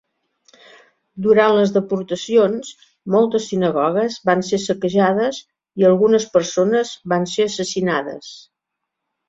Durant les deportacions, moltes sinagogues van ser saquejades i algunes persones van ser assassinades.